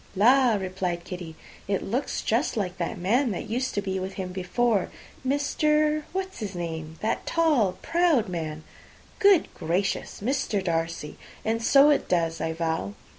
"La!" replied Kitty, "it looks just like that man that used to be with him before. Mr. what's his name that tall, proud man." "Good gracious! Mr. Darcy! and so it does, I vow.